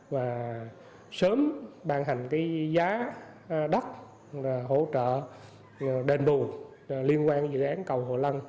và sớm ban hành cái giá đất hỗ trợ đền bù liên quan dự án cầu hồ lân